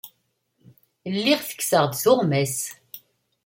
Lliɣ ttekkseɣ-d tuɣmas.